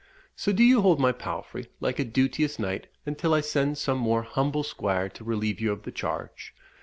So do you hold my palfrey, like a duteous knight, until I send some more humble squire to relieve you of the charge."